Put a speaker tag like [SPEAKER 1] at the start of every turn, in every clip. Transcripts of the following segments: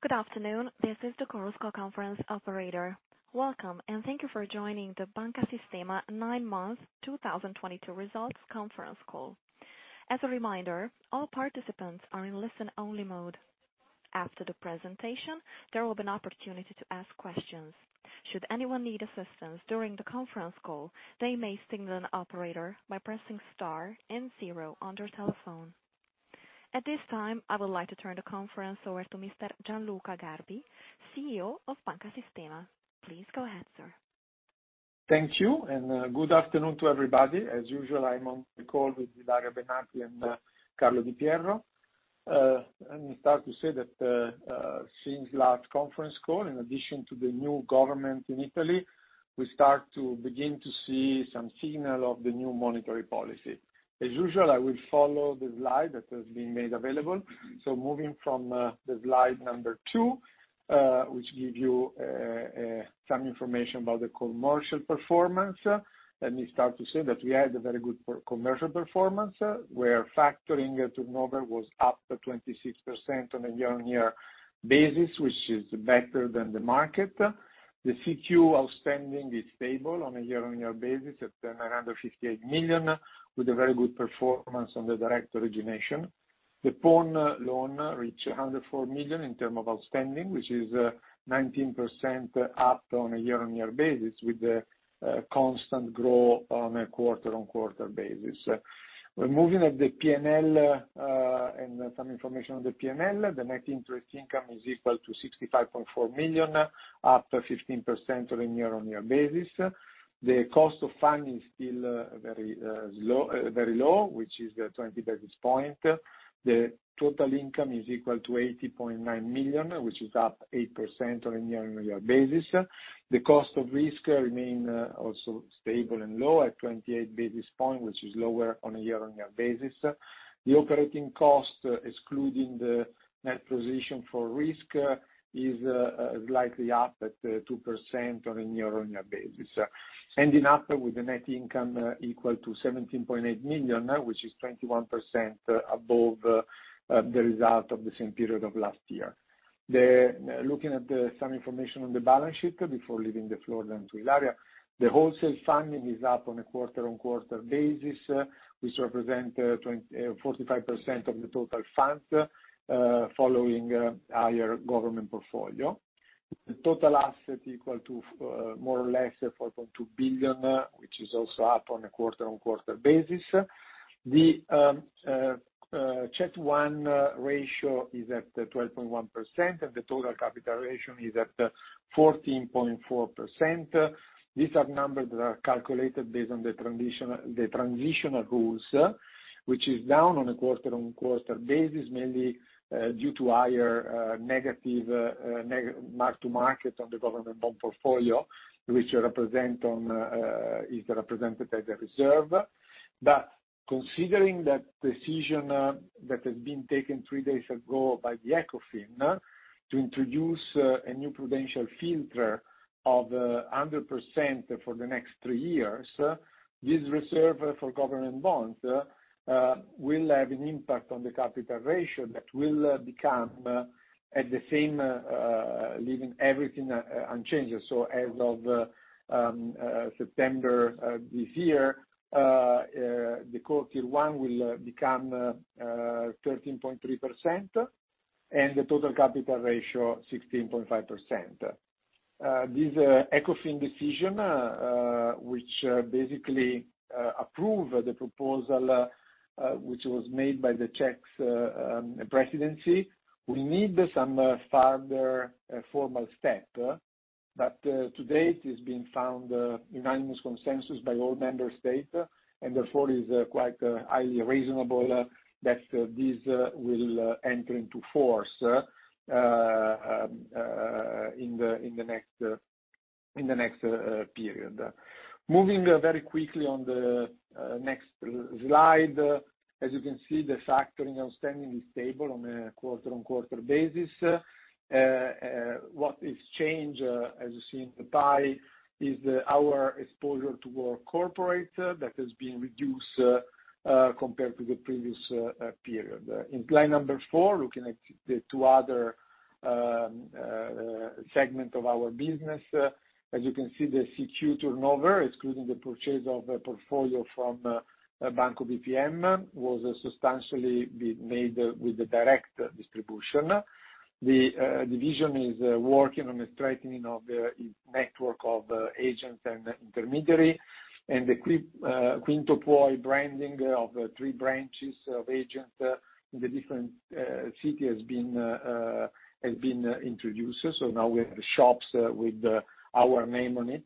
[SPEAKER 1] Good afternoon, this is the Chorus Call conference operator. Welcome, and thank you for joining the Banca Sistema nine-month 2022 results conference call. As a reminder, all participants are in listen-only mode. After the presentation, there will be an opportunity to ask questions. Should anyone need assistance during the conference call, they may signal an operator by pressing star and zero on their telephone. At this time, I would like to turn the conference over to Mr. Gianluca Garbi, CEO of Banca Sistema. Please go ahead, sir.
[SPEAKER 2] Thank you, and good afternoon to everybody. As usual, I'm on the call with Ilaria Benatti and Carlo Di Pierro. Let me start to say that, since last conference call, in addition to the new government in Italy, we start to begin to see some signal of the new monetary policy. As usual, I will follow the slide that has been made available. So moving from the slide number 2, which give you some information about the commercial performance. Let me start to say that we had a very good commercial performance, where factoring turnover was up to 26% on a year-on-year basis, which is better than the market. The CQ outstanding is stable on a year-on-year basis at 958 million, with a very good performance on the direct origination. The pawn loan reached 104 million in terms of outstanding, which is 19% up on a year-on-year basis, with the constant growth on a quarter-on-quarter basis. We're moving at the P&L, and some information on the P&L. The net interest income is equal to 65.4 million, up 15% on a year-on-year basis. The cost of funding is still very low, very low, which is the 20 basis points. The total income is equal to 80.9 million, which is up 8% on a year-on-year basis. The cost of risk remain also stable and low at 28 basis points, which is lower on a year-on-year basis. The operating cost, excluding the net provisions for risk, is slightly up at 2% on a year-on-year basis. Ending up with the net income equal to 17.8 million, which is 21% above the result of the same period of last year. Looking at some information on the balance sheet before leaving the floor then to Ilaria. The wholesale funding is up on a quarter-on-quarter basis, which represent 45% of the total funds following our government portfolio. The total asset equal to more or less 4.2 billion, which is also up on a quarter-on-quarter basis. The CET1 ratio is at 12.1%, and the total capital ratio is at 14.4%. These are numbers that are calculated based on the transition, the transitional rules, which is down on a quarter-on-quarter basis, mainly, due to higher, negative mark to market on the government bond portfolio, which represent on, is represented as a reserve. But considering that decision, that has been taken three days ago by the Ecofin, to introduce, a new prudential filter of, 100% for the next three years, this reserve for government bonds, will have an impact on the capital ratio that will, become, at the same, leaving everything, unchanged. So as of, September, this year, the Core Tier 1 will, become, 13.3%, and the total capital ratio 16.5%. This Ecofin decision, which basically approve the proposal which was made by the Czech presidency, we need some further formal step. But to date, it's been found unanimous consensus by all member states, and therefore is quite highly reasonable that this will enter into force in the next period. Moving very quickly on the next slide, as you can see, the factoring outstanding is stable on a quarter-on-quarter basis. What is changed, as you see in the pie, is our exposure toward corporate that has been reduced compared to the previous period. In slide number 4, looking at the two other segment of our business, as you can see, the CQ turnover, excluding the purchase of a portfolio from Banco BPM, was substantially be made with the direct distribution. The division is working on the strengthening of the network of agents and intermediary, and the QuintoPuoi branding of 3 branches of agents in the different city has been introduced. So now we have shops with our name on it.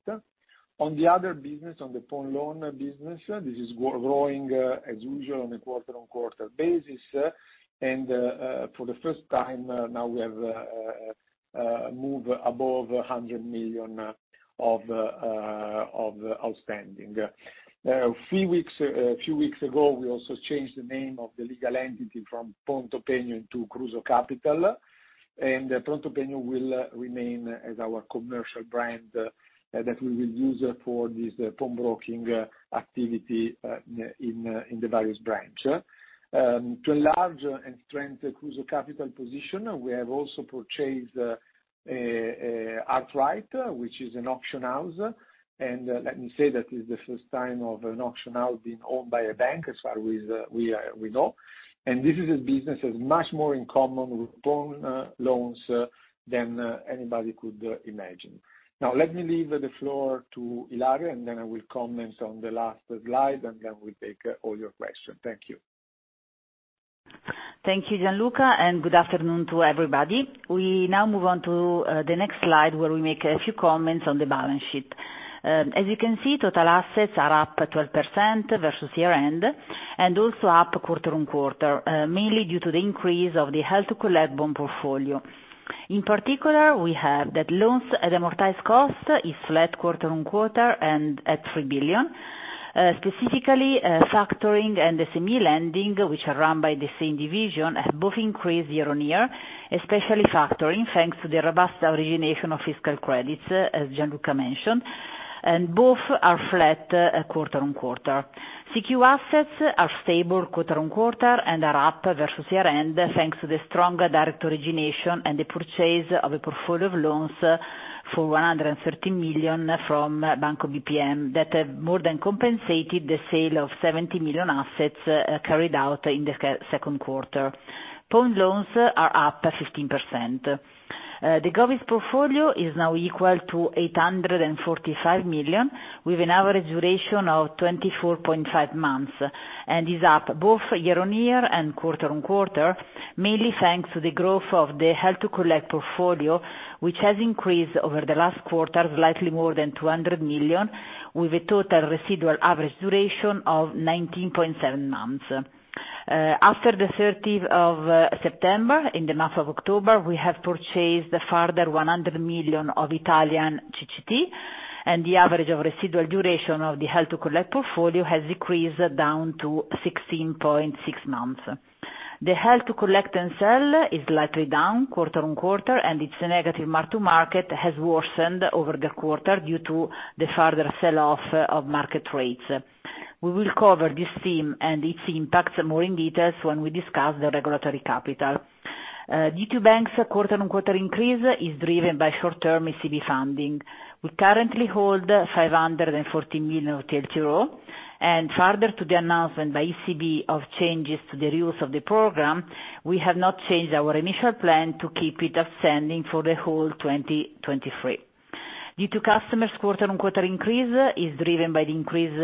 [SPEAKER 2] On the other business, on the pawn loan business, this is growing as usual, on a quarter-on-quarter basis. And for the first time, now we have moved above 100 million of outstanding. A few weeks ago, we also changed the name of the legal entity from ProntoPegno to Kruso Kapital, and ProntoPegno will remain as our commercial brand that we will use for this pawn broking activity in the various branch. To enlarge and strengthen Kruso Kapital position, we have also purchased Art-Rite, which is an auction house, and let me say that is the first time of an auction house being owned by a bank, as far as we know, and this is a business that's much more in common with pawn loans than anybody could imagine. Now, let me leave the floor to Ilaria, and then I will comment on the last slide, and then we take all your questions. Thank you.
[SPEAKER 3] Thank you, Gianluca, and good afternoon to everybody. We now move on to the next slide, where we make a few comments on the balance sheet. As you can see, total assets are up 12% versus year-end, and also up quarter-on-quarter, mainly due to the increase of the Hold to Collect bond portfolio. In particular, we have that loans at amortized cost is flat quarter-on-quarter and at 3 billion. Specifically, factoring and the SME lending, which are run by the same division, have both increased year-on-year, especially factoring, thanks to the robust origination of fiscal credits, as Gianluca mentioned, and both are flat quarter-on-quarter. CQ assets are stable quarter-on-quarter and are up versus year-end, thanks to the strong direct origination and the purchase of a portfolio of loans, for 130 million from Banco BPM, that have more than compensated the sale of 70 million assets, carried out in the second quarter. Pawn loans are up 15%. The Govies portfolio is now equal to 845 million, with an average duration of 24.5 months, and is up both year-on-year and quarter-on-quarter, mainly thanks to the growth of the Hold to Collect portfolio, which has increased over the last quarter, slightly more than 200 million, with a total residual average duration of 19.7 months. After the thirtieth of September, in the month of October, we have purchased a further 100 million of Italian CCT, and the average of residual duration of the Hold to Collect portfolio has decreased down to 16.6 Hold to Collect and Sell is slightly down quarter-on-quarter, and its negative mark-to-market has worsened over the quarter due to the further sell-off of market rates. We will cover this theme and its impacts more in details when we discuss the regulatory capital. Due to banks, quarter-on-quarter increase is driven by short-term ECB funding. We currently hold 540 million euro of TLTRO, and further to the announcement by ECB of changes to the rules of the program, we have not changed our initial plan to keep it outstanding for the whole 2023. Due to customers, quarter-on-quarter increase is driven by the increase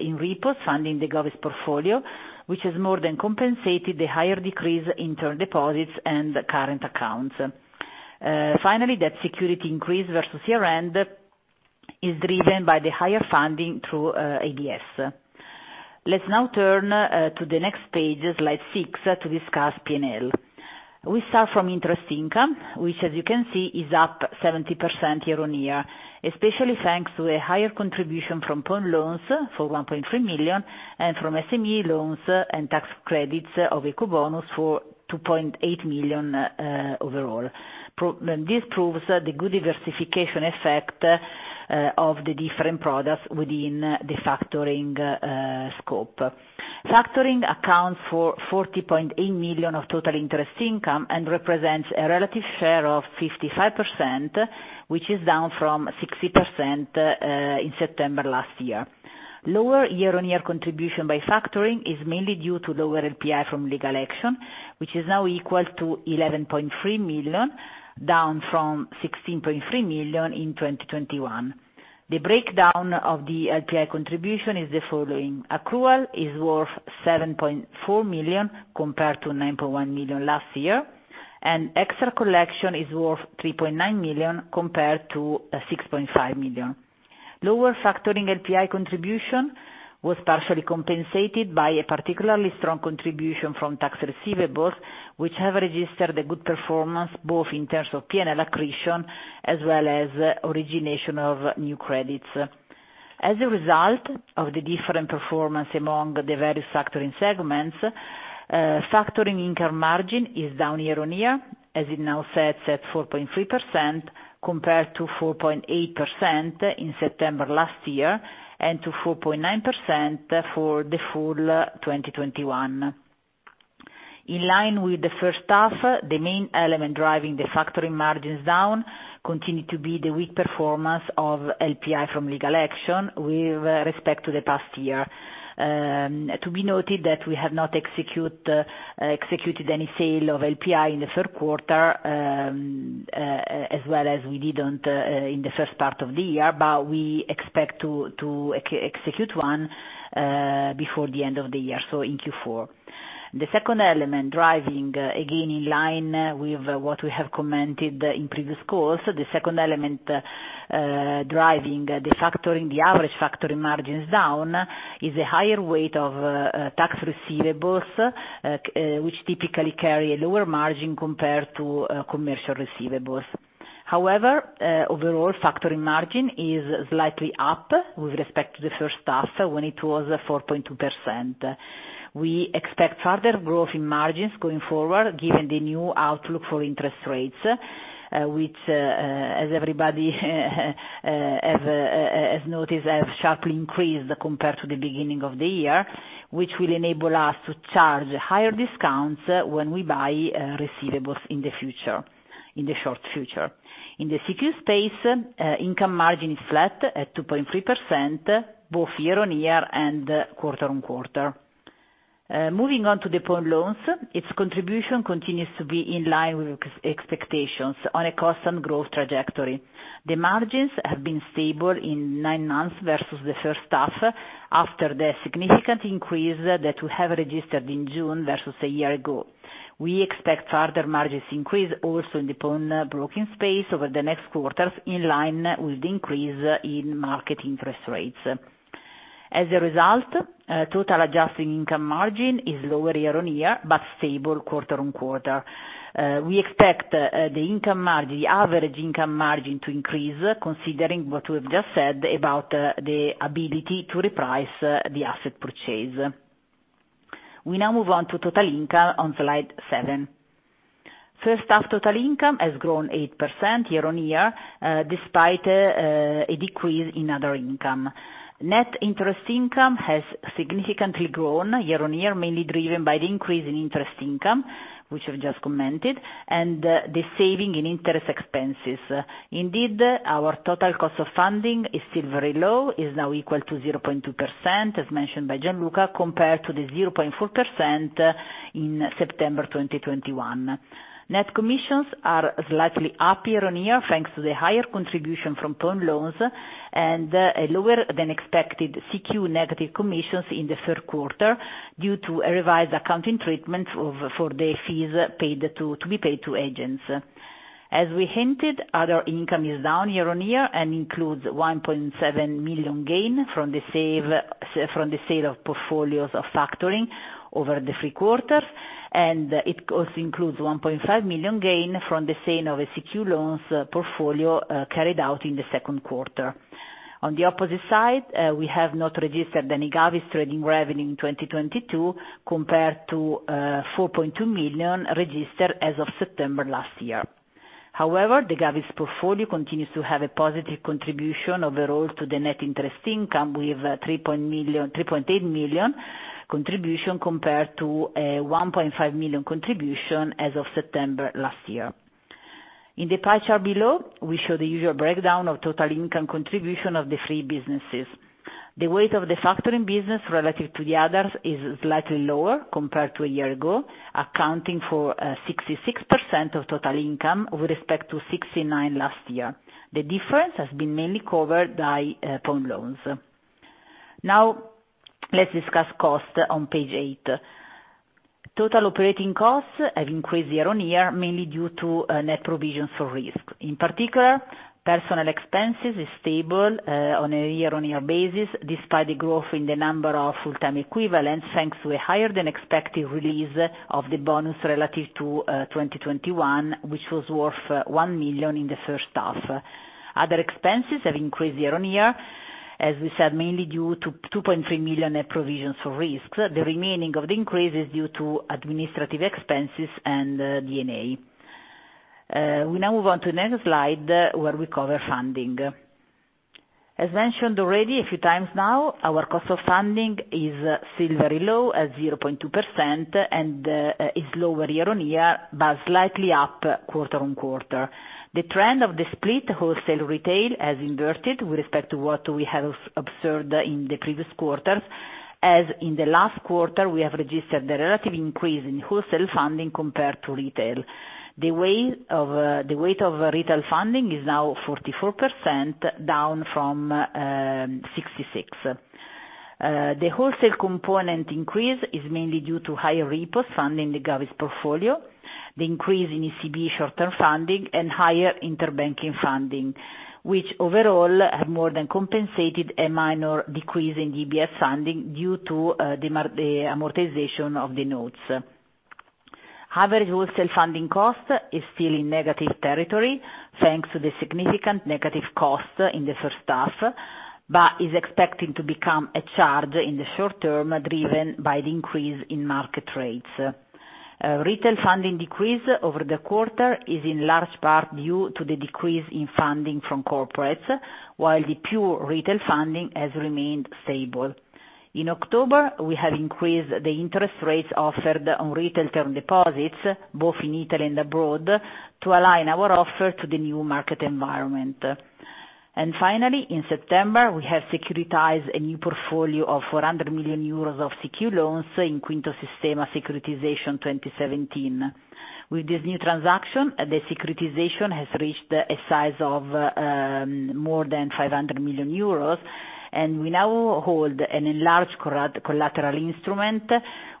[SPEAKER 3] in repos funding the Govies portfolio, which has more than compensated the higher decrease in term deposits and current accounts. Finally, debt security increase versus year-end is driven by the higher funding through ABS. Let's now turn to the next page, slide 6, to discuss P&L. We start from interest income, which, as you can see, is up 70% year-on-year, especially thanks to a higher contribution from pawn loans for 1.3 million and from SME loans and tax credits of Ecobonus for 2.8 million overall. This proves the good diversification effect of the different products within the factoring scope. Factoring accounts for 40.8 million of total interest income and represents a relative share of 55%, which is down from 60% in September last year. Lower year-on-year contribution by factoring is mainly due to lower LPI from legal action, which is now equal to 11.3 million, down from 16.3 million in 2021. The breakdown of the LPI contribution is the following: accrual is worth 7.4 million compared to 9.1 million last year, and extra collection is worth 3.9 million compared to six point five million. Lower factoring LPI contribution was partially compensated by a particularly strong contribution from tax receivables, which have registered a good performance, both in terms of P&L accretion as well as origination of new credits. As a result of the different performance among the various factoring segments, factoring income margin is down year-on-year, as it now sits at 4.3% compared to 4.8% in September last year, and to 4.9% for the full 2021. In line with the first half, the main element driving the factoring margins down continued to be the weak performance of LPI from legal action with respect to the past year. To be noted that we have not executed any sale of LPI in the third quarter, as well as we didn't in the first part of the year, but we expect to execute one before the end of the year, so in Q4. The second element driving, again, in line with what we have commented in previous calls, the second element, driving the factoring, the average factoring margins down, is a higher weight of, tax receivables, which typically carry a lower margin compared to, commercial receivables... however, overall factoring margin is slightly up with respect to the first half, when it was 4.2%. We expect further growth in margins going forward, given the new outlook for interest rates, which, as everybody, has noticed, have sharply increased compared to the beginning of the year, which will enable us to charge higher discounts when we buy, receivables in the future, in the short future. In the CQ space, income margin is flat at 2.3%, both year-on-year and quarter-on-quarter. Moving on to the pawn loans, its contribution continues to be in line with expectations on a constant growth trajectory. The margins have been stable in nine months versus the first half, after the significant increase that we have registered in June versus a year ago. We expect further margins increase also in the pawn broking space over the next quarters, in line with the increase in market interest rates. As a result, total adjusting income margin is lower year-on-year, but stable quarter-on-quarter. We expect the income margin, the average income margin to increase, considering what we've just said about the ability to reprice the asset purchase. We now move on to total income on slide 7. First half, total income has grown 8% year-on-year, despite a decrease in other income. Net interest income has significantly grown year-on-year, mainly driven by the increase in interest income, which I've just commented, and the saving in interest expenses. Indeed, our total cost of funding is still very low, is now equal to 0.2%, as mentioned by Gianluca, compared to the 0.4% in September 2021. Net commissions are slightly up year-on-year, thanks to the higher contribution from pawn loans, and a lower than expected CQ negative commissions in the third quarter, due to a revised accounting treatment for the fees paid to be paid to agents. As we hinted, other income is down year-on-year and includes 1.7 million gain from the sale of portfolios of factoring over the three quarters, and it also includes 1.5 million gain from the sale of a CQ loans portfolio carried out in the second quarter. On the opposite side, we have not registered any Govies trading revenue in 2022, compared to 4.2 million registered as of September last year. However, the Govies portfolio continues to have a positive contribution overall to the net interest income, with three point eight million contribution compared to a 1.5 million contribution as of September last year. In the pie chart below, we show the usual breakdown of total income contribution of the three businesses. The weight of the factoring business relative to the others is slightly lower compared to a year ago, accounting for 66% of total income with respect to 69% last year. The difference has been mainly covered by pawn loans. Now, let's discuss cost on page 8. Total operating costs have increased year-on-year, mainly due to net provisions for risk. In particular, personnel expenses is stable on a year-on-year basis, despite the growth in the number of full-time equivalents, thanks to a higher than expected release of the bonus relative to 2021, which was worth 1 million in the first half. Other expenses have increased year-on-year, as we said, mainly due to 2.3 million net provisions for risk. The remaining of the increase is due to administrative expenses and D&A. We now move on to the next slide, where we cover funding. As mentioned already a few times now, our cost of funding is still very low, at 0.2%, and is lower year-on-year, but slightly up quarter-on-quarter. The trend of the split wholesale retail has inverted with respect to what we have observed in the previous quarters, as in the last quarter, we have registered a relative increase in wholesale funding compared to retail. The weight of the weight of retail funding is now 44%, down from 66%. The wholesale component increase is mainly due to higher repo funding the Govies portfolio, the increase in ECB short-term funding, and higher interbanking funding, which overall have more than compensated a minor decrease in ABS funding due to the amortization of the notes. Average wholesale funding cost is still in negative territory, thanks to the significant negative cost in the first half, but is expecting to become a charge in the short term, driven by the increase in market rates. Retail funding decrease over the quarter is in large part due to the decrease in funding from corporates, while the pure retail funding has remained stable. In October, we have increased the interest rates offered on retail term deposits, both in Italy and abroad, to align our offer to the new market environment. And finally, in September, we have securitized a new portfolio of 400 million euros of CQ loans in Quinto Sistema securitization 2017. With this new transaction, the securitization has reached a size of more than 500 million euros, and we now hold an enlarged collateral instrument,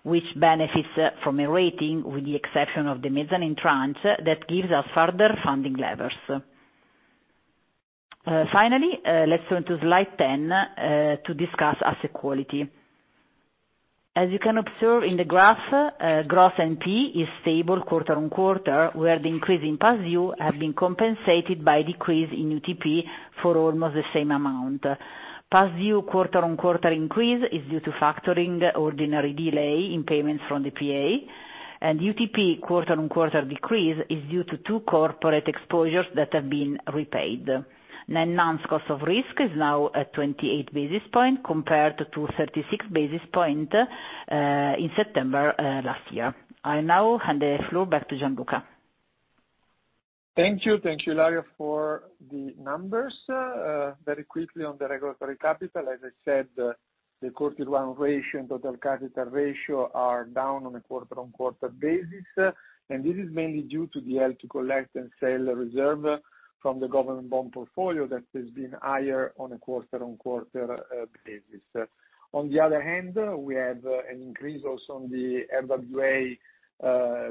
[SPEAKER 3] which benefits from a rating, with the exception of the mezzanine tranche, that gives us further funding levers. Finally, let's turn to slide 10 to discuss asset quality. As you can observe in the graph, Gross NPL is stable quarter-on-quarter, where the increase in past due have been compensated by decrease in UTP for almost the same amount. Past due quarter-on-quarter increase is due to factoring ordinary delay in payments from the PA, and UTP quarter-on-quarter decrease is due to two corporate exposures that have been repaid. Net NPL cost of risk is now at 28 basis points compared to 36 basis points in September last year. I now hand the floor back to Gianluca.
[SPEAKER 2] Thank you. Thank you, Ilaria, for the numbers. Very quickly on the regulatory capital, as I said, the Core Tier 1 ratio, total capital ratio, are down on a quarter-on-quarter basis, and this is Hold to Collect and Sell reserve from the government bond portfolio that has been higher on a quarter-on-quarter basis. On the other hand, we have an increase also on the RWA,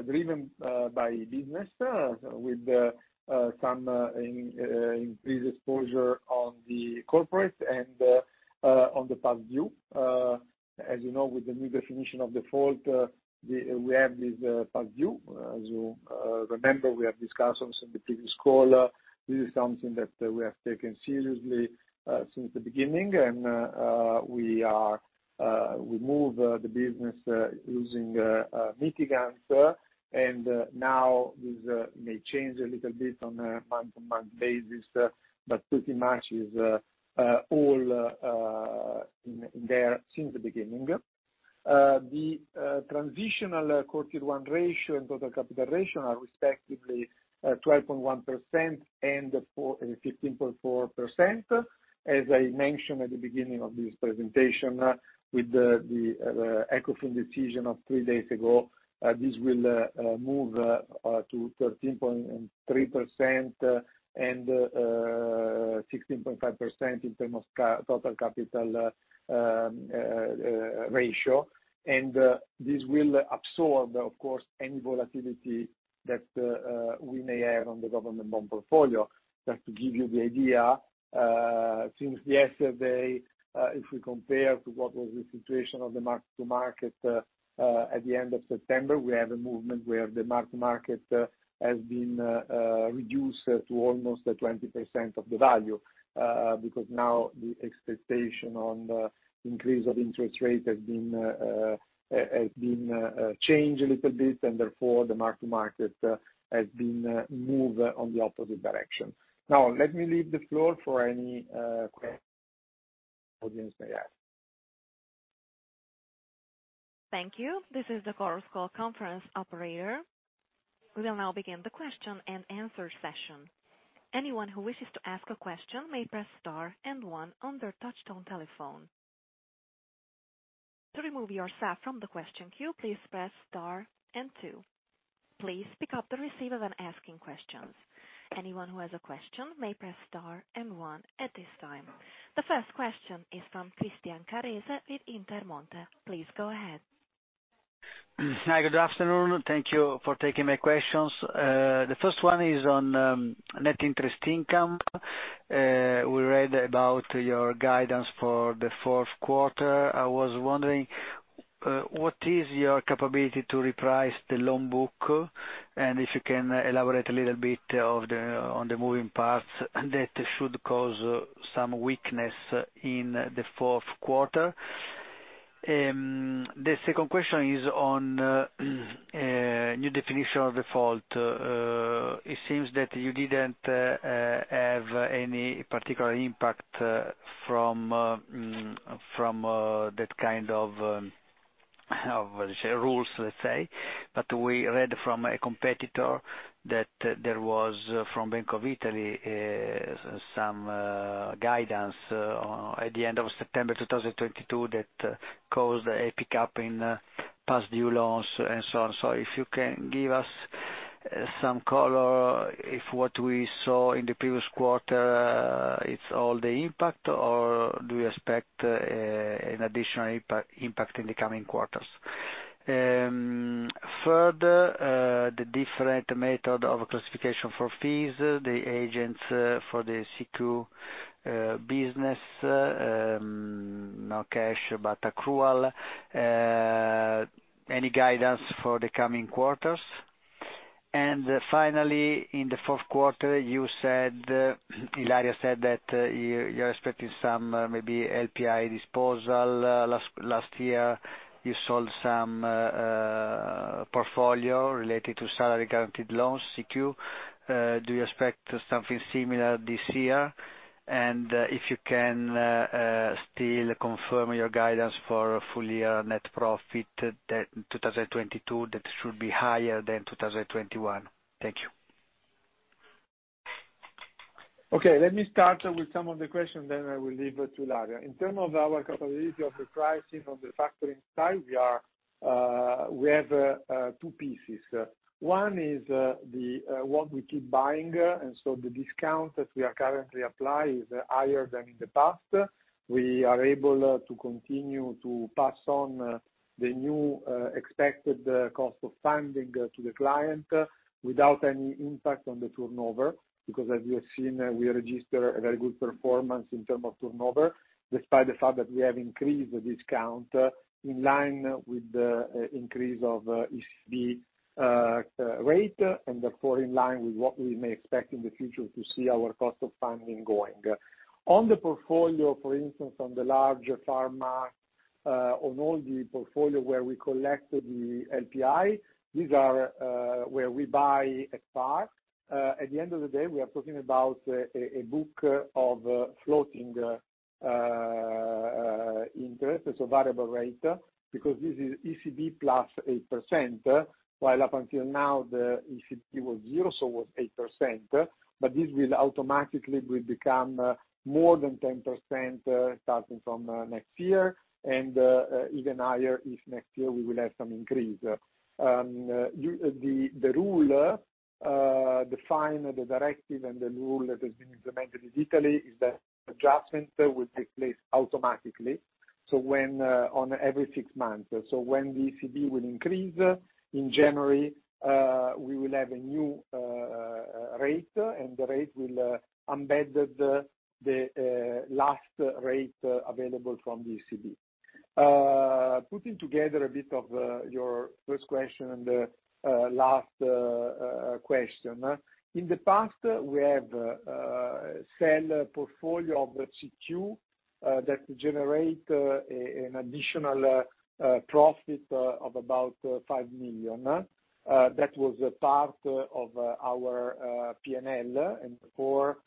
[SPEAKER 2] driven by business with some increased exposure on the corporate and on the past due. As you know, with the new definition of default, we have this past due. As you remember, we have discussed also in the previous call, this is something that we have taken seriously since the beginning, and we move the business using mitigants, and now this may change a little bit on a month-to-month basis, but pretty much is all in there since the beginning. The transitional Core Tier 1 ratio and total capital ratio are respectively 12.1% and 15.4%. As I mentioned at the beginning of this presentation, with the Ecofin decision of three days ago, this will move to 13.3% and 16.5% in terms of total capital ratio. This will absorb, of course, any volatility that we may have on the government bond portfolio. Just to give you the idea, since yesterday, if we compare to what was the situation of the mark-to-market at the end of September, we have a movement where the mark-to-market has been reduced to almost 20% of the value, because now the expectation on the increase of interest rate has been changed a little bit, and therefore, the mark-to-market has been moved on the opposite direction. Now, let me leave the floor for any questions audience may have.
[SPEAKER 1] Thank you. This is the Chorus Call conference operator. We will now begin the question-and-answer session. Anyone who wishes to ask a question may press star and one on their touchtone telephone. To remove yourself from the question queue, please press star and two. Please pick up the receiver when asking questions. Anyone who has a question may press star and one at this time. The first question is from Christian Carrese with Intermonte. Please go ahead.
[SPEAKER 4] Hi, good afternoon. Thank you for taking my questions. The first one is on net interest income. We read about your guidance for the fourth quarter. I was wondering what is your capability to reprice the loan book? And if you can elaborate a little bit on the moving parts that should cause some weakness in the fourth quarter. The second question is on new definition of default. It seems that you didn't have any particular impact from that kind of rules, let's say. But we read from a competitor that there was, from Bank of Italy, some guidance at the end of September 2022, that caused a pickup in past due loans, and so on. So if you can give us some color, if what we saw in the previous quarter, it's all the impact, or do you expect an additional impact in the coming quarters? Further, the different method of classification for fees, the agents for the CQ business, no cash, but accrual, any guidance for the coming quarters? And finally, in the fourth quarter, you said, Ilaria said that, you, you're expecting some, maybe LPI disposal. Last year, you sold some portfolio related to salary-guaranteed loans, CQ. Do you expect something similar this year? And, if you can still confirm your guidance for full year net profit that 2022, that should be higher than 2021. Thank you.
[SPEAKER 2] Okay, let me start with some of the questions, then I will leave to Ilaria. In terms of our capability of the pricing on the factoring side, we are, we have, two pieces. One is, the, what we keep buying, and so the discount that we are currently applying is higher than in the past. We are able to continue to pass on, the new, expected, cost of funding, to the client without any impact on the turnover, because as you have seen, we register a very good performance in terms of turnover, despite the fact that we have increased the discount in line with the, increase of ECB, rate, and therefore in line with what we may expect in the future to see our cost of funding going. On the portfolio, for instance, on the large pharma, on all the portfolio where we collect the LPI, these are where we buy at spot. At the end of the day, we are talking about a book of floating interest, so variable rate, because this is ECB + 8%, while up until now, the ECB was 0, so it was 8%, but this will automatically will become more than 10%, starting from next year and even higher if next year we will have some increase. The rule define the directive and the rule that has been implemented in Italy is that adjustment will take place automatically, so when on every six months. So when the ECB will increase in January, we will have a new rate, and the rate will embed the last rate available from the ECB. Putting together a bit of your first question and last question. In the past, we have sold portfolio of CQ that generate an additional profit of about 5 million. That was a part of our P&L and for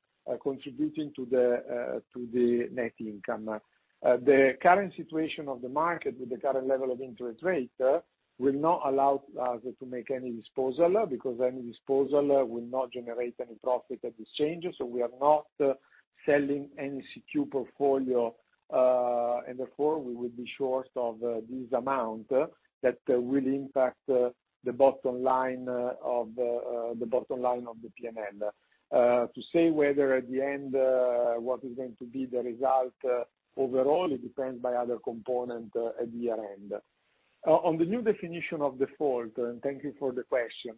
[SPEAKER 2] contributing to the net income. The current situation of the market with the current level of interest rate will not allow us to make any disposal, because any disposal will not generate any profit at this change. So we are not selling any CQ portfolio, and therefore we will be short of this amount that will impact the bottom line of the P&L. To say whether at the end what is going to be the result overall, it depends by other component at the year-end. On the new definition of default, and thank you for the question.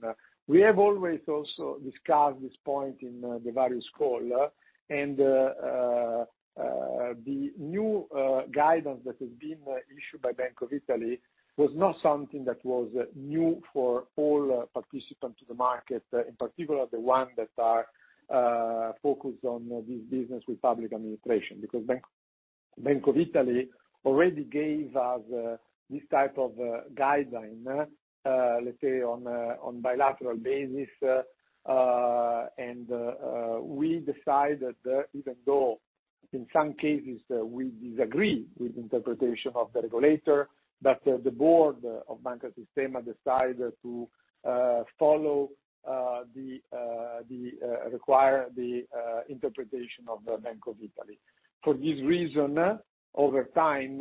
[SPEAKER 2] We have always also discussed this point in the various call, and the new guidance that has been issued by Bank of Italy was not something that was new for all participants to the market, in particular, the ones that are focused on this business with public administration. Because Bank of Italy already gave us this type of guideline, let's say on bilateral basis, and we decided that even though in some cases we disagree with interpretation of the regulator, but the board of Banca Sistema decided to follow the required interpretation of the Bank of Italy. For this reason, over time,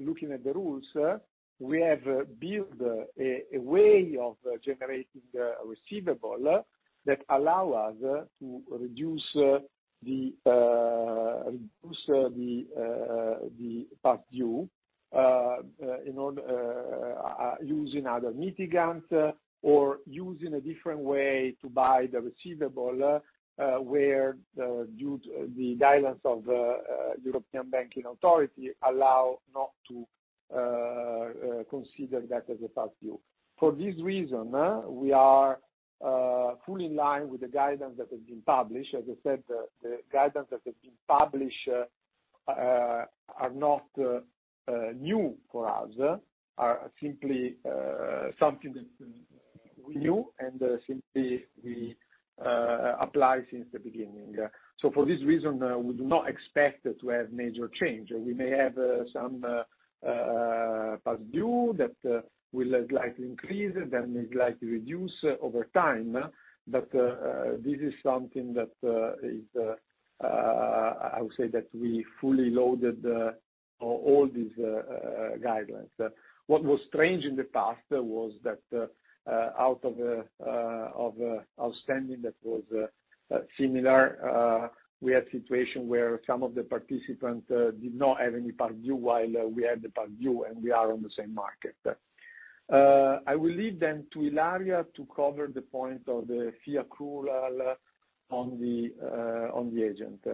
[SPEAKER 2] looking at the rules, we have built a way of generating receivable that allow us to reduce the past due, in order using other mitigant or using a different way to buy the receivable, where due to the guidance of European Banking Authority, allow not to consider that as a past due. For this reason, we are fully in line with the guidance that has been published. As I said, the guidance that has been published are not new for us, are simply something that we knew and simply we apply since the beginning. So for this reason, we do not expect to have major change. We may have some past due that will likely increase, then likely reduce over time, but this is something that is I would say that we fully loaded all these guidelines. What was strange in the past was that, out of outstanding that was similar, we had situation where some of the participants did not have any past due, while we had the past due, and we are on the same market. I will leave then to Ilaria to cover the point of the fee accrual on the agent.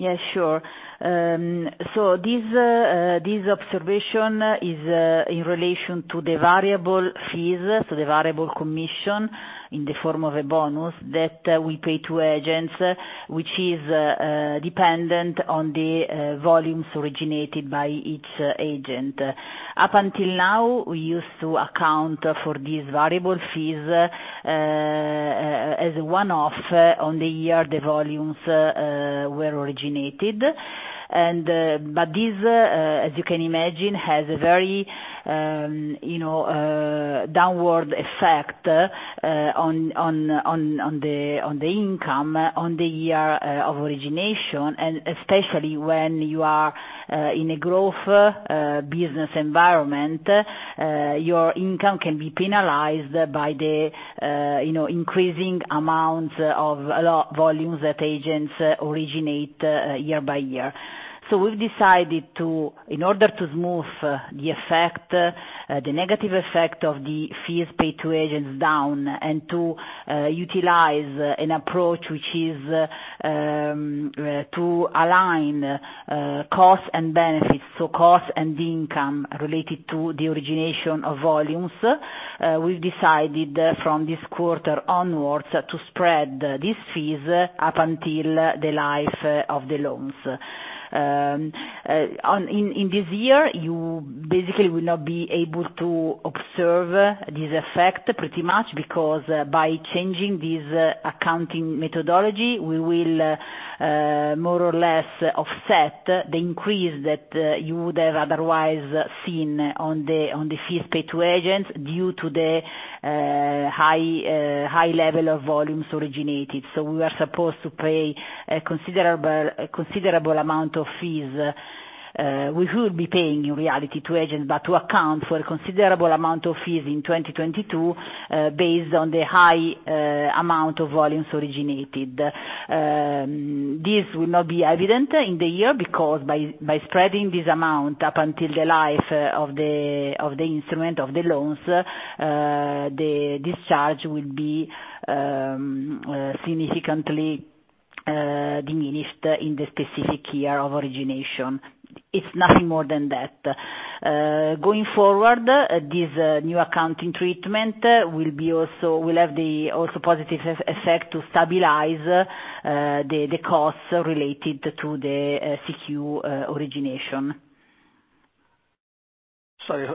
[SPEAKER 3] Yeah, sure. So this observation is in relation to the variable fees, so the variable commission in the form of a bonus that we pay to agents, which is dependent on the volumes originated by each agent. Up until now, we used to account for these variable fees as a one-off on the year the volumes were originated and but this, as you can imagine, has a very, you know, downward effect on the income on the year of origination, and especially when you are in a growth business environment, your income can be penalized by the, you know, increasing amounts of a lot volumes that agents originate year-by-year. So we've decided to, in order to smooth the effect, the negative effect of the fees paid to agents down, and to utilize an approach which is to align costs and benefits, so costs and income related to the origination of volumes, we've decided from this quarter onwards to spread these fees up until the life of the loans. In this year, you basically will not be able to observe this effect pretty much because, by changing this accounting methodology, we will more or less offset the increase that you would have otherwise seen on the, on the fees paid to agents due to the high level of volumes originated. So we are supposed to pay a considerable, a considerable amount of fees, we will be paying in reality to agents, but to account for a considerable amount of fees in 2022, based on the high, amount of volumes originated. This will not be evident in the year because by, by spreading this amount up until the life of the, of the instrument, of the loans, the discharge will be, significantly, diminished in the specific year of origination. It's nothing more than that. Going forward, this, new accounting treatment will be also- will have the also positive ef- effect to stabilize, the, the costs related to the, CQ, origination.
[SPEAKER 4] Sorry,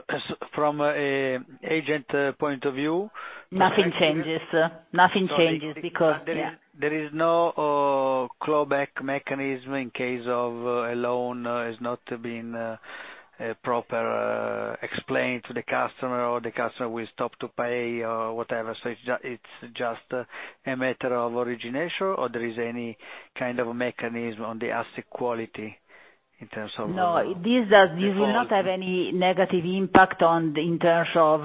[SPEAKER 4] from an agent's point of view?
[SPEAKER 3] Nothing changes. Nothing changes because, yeah-
[SPEAKER 4] There is no clawback mechanism in case a loan is not being proper explained to the customer, or the customer will stop to pay or whatever. So it's just a matter of origination, or there is any kind of a mechanism on the asset quality in terms of-
[SPEAKER 3] No, these are, this will not have any negative impact on the, in terms of,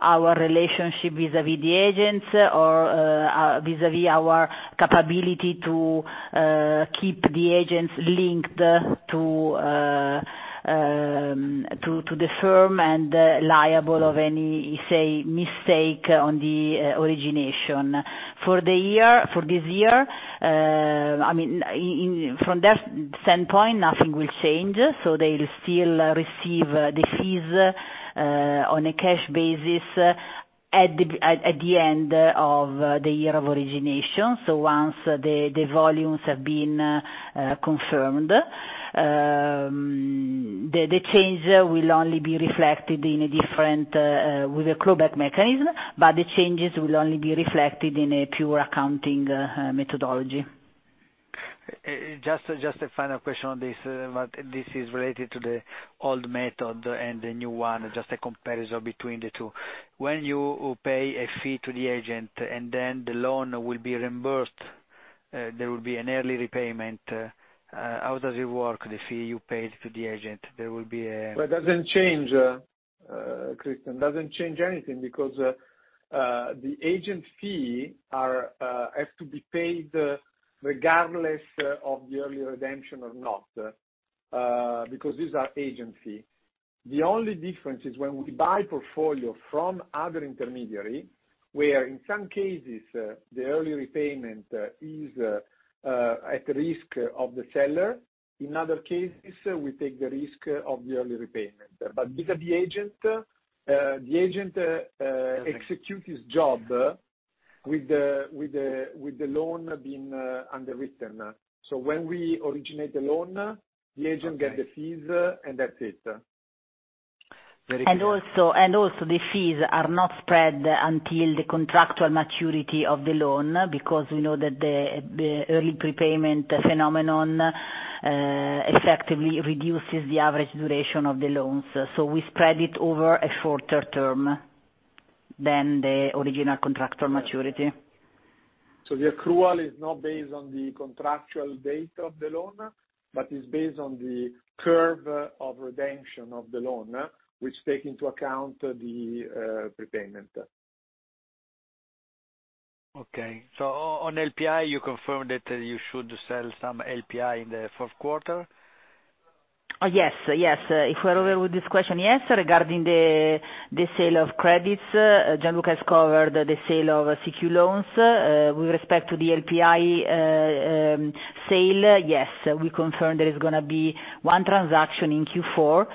[SPEAKER 3] our relationship vis-à-vis the agents or vis-à-vis our capability to keep the agents linked to the firm and liable of any, say, mistake on the origination. For the year, for this year, I mean, in from that standpoint, nothing will change, so they'll still receive the fees on a cash basis at the end of the year of origination. So once the volumes have been confirmed, the change will only be reflected in a different with a clawback mechanism, but the changes will only be reflected in a pure accounting methodology.
[SPEAKER 4] Just a final question on this, but this is related to the old method and the new one, just a comparison between the two. When you pay a fee to the agent, and then the loan will be reimbursed, there will be an early repayment, how does it work, the fee you paid to the agent? There will be a-
[SPEAKER 2] Well, it doesn't change, Christian, doesn't change anything, because the agent fee are has to be paid regardless of the early redemption or not, because these are agent fee. The only difference is when we buy portfolio from other intermediary, where in some cases the early repayment is at risk of the seller. In other cases, we take the risk of the early repayment. But vis-a-vis agent, the agent-
[SPEAKER 4] Okay
[SPEAKER 2] executes his job with the loan being underwritten. So when we originate the loan, the agent get-
[SPEAKER 4] Okay
[SPEAKER 2] the fees, and that's it.
[SPEAKER 4] Very good.
[SPEAKER 3] And also, the fees are not spread until the contractual maturity of the loan, because we know that the early prepayment phenomenon effectively reduces the average duration of the loans. So we spread it over a shorter term than the original contractual maturity.
[SPEAKER 2] So the accrual is not based on the contractual date of the loan, but it's based on the curve of redemption of the loan, which take into account the prepayment.
[SPEAKER 4] Okay. So on LPI, you confirm that you should sell some LPI in the fourth quarter?
[SPEAKER 3] Yes, yes. If we're over with this question, yes, regarding the sale of credits, Gianluca has covered the sale of CQ loans. With respect to the LPI sale, yes, we confirm there is gonna be one transaction in Q4.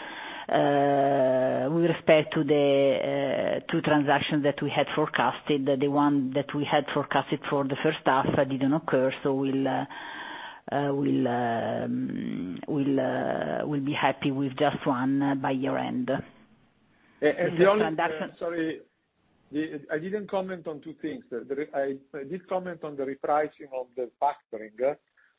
[SPEAKER 3] With respect to the two transactions that we had forecasted, the one that we had forecasted for the first half didn't occur, so we'll be happy with just one by year-end.
[SPEAKER 2] And the only, sorry, I did comment on two things. I did comment on the repricing of the factoring.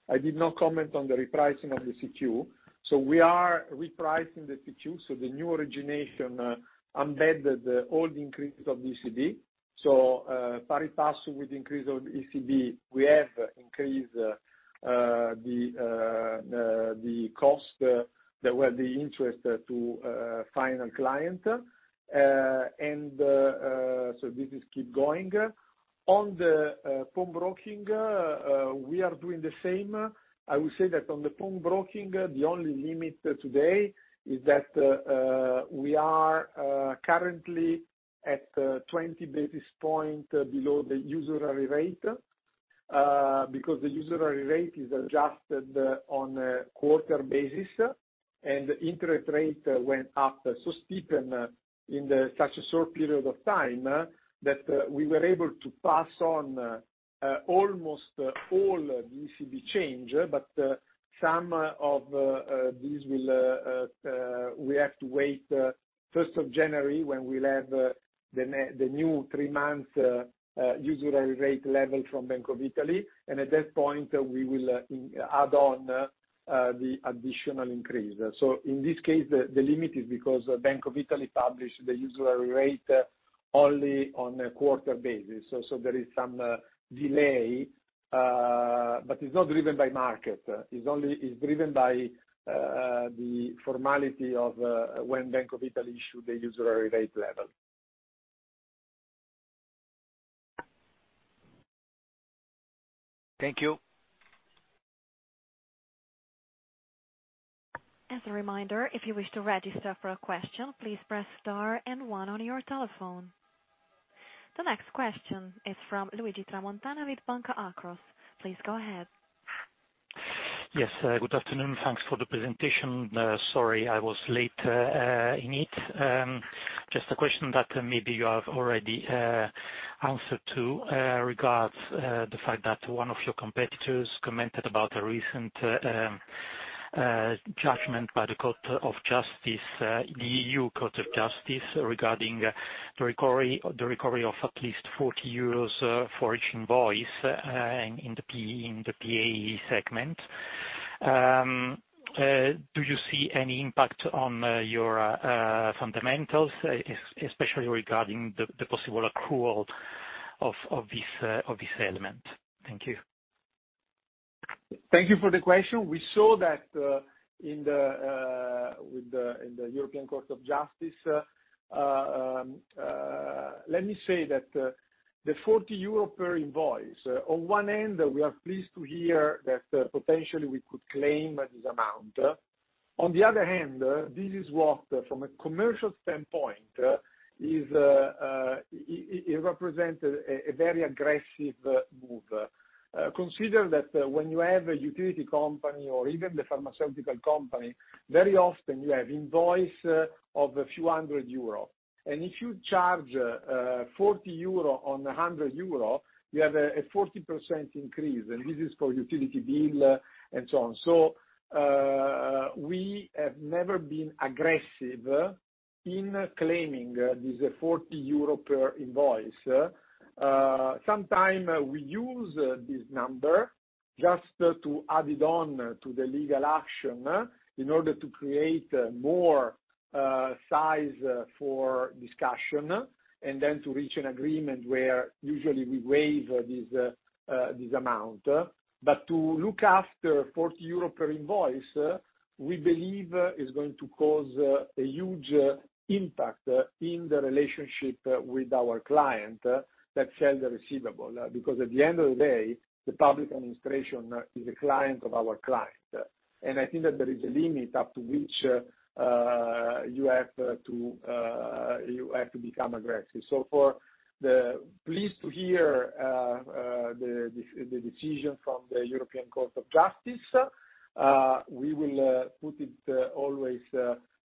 [SPEAKER 2] I did not comment on the repricing of the CQ. So we are repricing the CQ, so the new origination embedded the old increase of ECB. So, pari passu with increase of ECB, we have increased the cost, well, the interest to final client. And so this is keep going. On the pawn broking, we are doing the same. I will say that on the pawn broking, the only limit today is that we are currently at 20 basis points below the usury rate, because the usury rate is adjusted on a quarter basis, and interest rate went up so steep and in such a short period of time that we were able to pass on almost all ECB change. But some of these, we will have to wait first of January, when we'll have the new three months usury rate level from Bank of Italy, and at that point, we will add on the additional increase. So in this case, the limit is because Bank of Italy published the usury rate only on a quarter basis. So there is some delay, but it's not driven by market. It's only driven by the formality of when Bank of Italy issued the usury rate level.
[SPEAKER 4] Thank you.
[SPEAKER 1] As a reminder, if you wish to register for a question, please press star and one on your telephone. The next question is from Luigi Tramontana with Banca Akros. Please go ahead.
[SPEAKER 5] Yes, good afternoon. Thanks for the presentation. Sorry I was late in it. Just a question that maybe you have already answered to regards the fact that one of your competitors commented about a recent judgment by the Court of Justice, the EU Court of Justice, regarding the recovery, the recovery of at least 40 euros for each invoice in the PA segment. Do you see any impact on your fundamentals, especially regarding the possible accrual of this element? Thank you.
[SPEAKER 2] Thank you for the question. We saw that, in the European Court of Justice. Let me say that, the 40 euro per invoice, on one end, we are pleased to hear that, potentially we could claim this amount. On the other hand, this is what, from a commercial standpoint, is, it represented a, a very aggressive, move. Consider that when you have a utility company or even the pharmaceutical company, very often you have invoice, of a few hundred EUR. And if you charge, 40 euro on 100 euro, you have a, a 40% increase, and this is for utility bill and so on. So, we have never been aggressive, in claiming, this 40 euro per invoice. Sometime, we use this number just to add it on to the legal action in order to create more size for discussion, and then to reach an agreement where usually we waive this amount. But to look after 40 euro per invoice, we believe is going to cause a huge impact in the relationship with our client that sells the receivable. Because at the end of the day, the public administration is a client of our client, and I think that there is a limit up to which you have to become aggressive. So for the... Pleased to hear the decision from the European Court of Justice, we will put it always,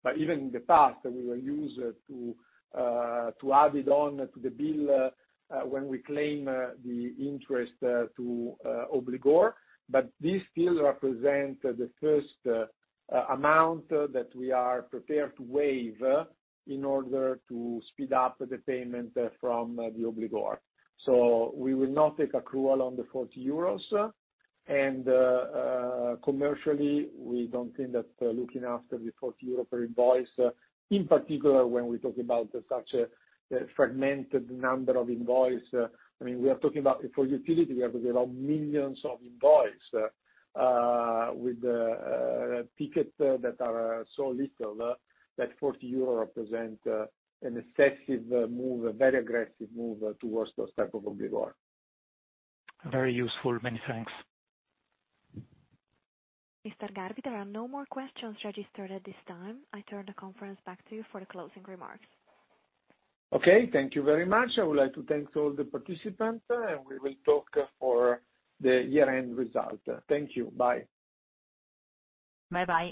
[SPEAKER 2] but even in the past, we will use to add it on to the bill when we claim the interest to obligor. But this still represent the first amount that we are prepared to waive in order to speed up the payment from the obligor. So we will not take accrual on the EUR 40, and, commercially, we don't think that, looking after the 40 euro per invoice, in particular, when we talk about such a, fragmented number of invoices, I mean, we are talking about for utility, we have around millions of invoices, with, tickets that are so little, that 40 euro represent, an excessive move, a very aggressive move towards those type of obligor.
[SPEAKER 5] Very useful. Many thanks.
[SPEAKER 1] Mr. Garbi, there are no more questions registered at this time. I turn the conference back to you for the closing remarks.
[SPEAKER 2] Okay. Thank you very much. I would like to thank all the participants, and we will talk for the year-end result. Thank you. Bye.
[SPEAKER 1] Bye-bye.